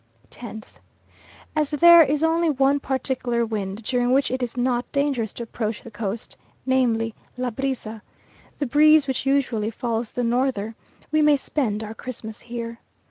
10th. As there is only one particular wind during which it is not dangerous to approach the coast, namely, "la brisa," the breeze which usually follows the norther, we may spend our Christmas here.